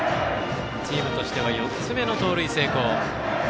チームとしては４つ目の盗塁成功。